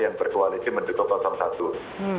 yang virtualisir menutup satu